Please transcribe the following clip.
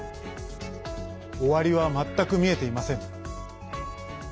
終わりは全く見えていません。